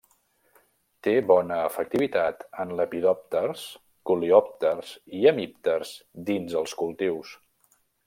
Té bona efectivitat en lepidòpters, coleòpters i hemípters, dins els cultius.